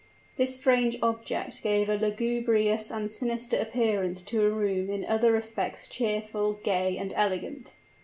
This strange object gave a lugubrious and sinister appearance to a room in other respects cheerful, gay, and elegant.